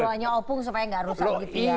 ini doanya opung supaya gak rusak gitu ya